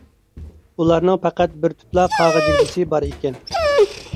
ئۇلارنىڭ پەقەت بىر تۈپلا قاغا جىگدىسى بار ئىكەن.